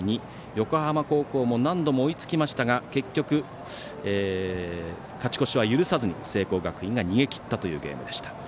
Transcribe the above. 横浜高校も何度も追いつきましたが結局、勝ち越しは許さずに聖光学院が逃げきったというゲームでした。